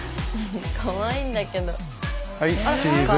かわいいんだけど。